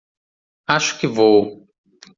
Acho que vou.